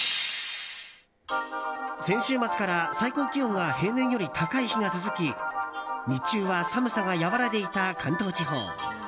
先週末から最高気温が平年より高い日が続き日中は、寒さが和らいでいた関東地方。